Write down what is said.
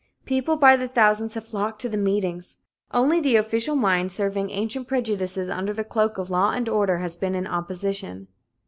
People by the thousands have flocked to the meetings. Only the official mind, serving ancient prejudices under the cloak of "law and order," has been in opposition.